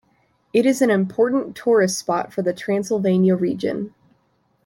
It is an important tourist spot for the Transylvania region.